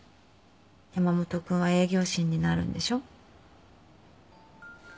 山本君は営業神になるんでしょ？